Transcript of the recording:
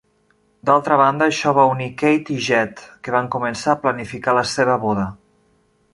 D'altra banda, això va unir Kate i Jed, que van començar a planificar la seva boda.